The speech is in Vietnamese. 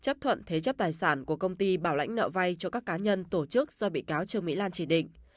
chấp thuận thế chấp tài sản của công ty bảo lãnh nợ vay cho các cá nhân tổ chức do bị cáo trương mỹ lan chỉ định